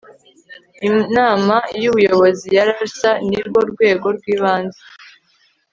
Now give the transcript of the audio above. inama y ubuyobozi ya ralsa ni rwo rwego rw ibanze